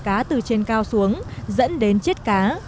cá từ trên cao xuống dẫn đến chết cá